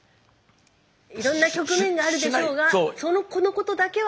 いろんな局面があるでしょうがこのことだけは。